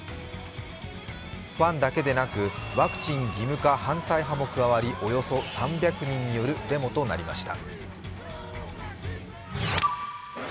ファンだけでなく、ワクチン義務化反対派も加わりおよそ３００人によるデモとなりました。